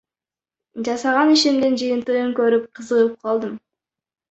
Жасаган ишимдин жыйынтыгын көрүп, кызыгып калдым.